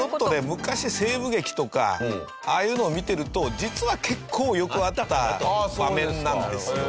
昔西部劇とかああいうのを見てると実は結構よくあった場面なんですよ。